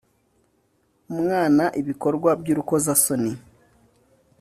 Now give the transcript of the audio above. umwana ibikorwa by urukozasoni